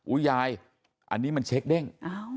ยายอันนี้มันเช็คเด้ง